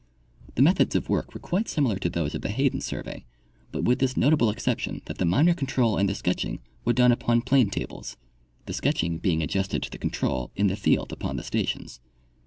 The methods of work were quite similar to those of the Hay den. survey, but with this notable exception, that the minor control and the sketching were done upon planetables, the sketching being adjusted to the con trol in the field upon the stations.